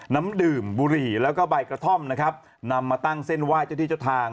น้ำดื่มบุหรี่แล้วก็ใบกระท่อมนะครับนำมาตั้งเส้นไหว้เจ้าที่เจ้าทาง